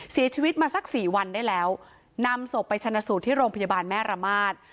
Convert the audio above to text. เสียชีวิตมาสักสี่วันได้แล้วนำศพไปชนะสูตรที่โรงพยาบาลแม่ระมาท